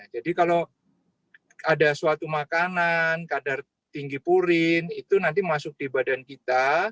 jadi kalau ada suatu makanan kadar tinggi purin itu nanti masuk di badan kita